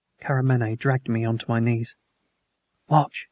Karamaneh dragged me down on to my knees. "Watch!"